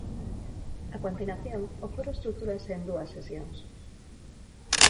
A continuación, o foro estrutúrase en dúas sesións.